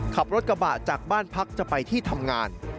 ขับรถกระบะจากบ้านพักจะไปที่ทำงาน